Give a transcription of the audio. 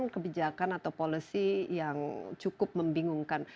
kebijakan atau policy yang cukup membingungkan